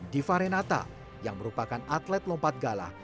diva renata yang merupakan atlet lompat galah